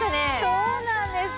そうなんです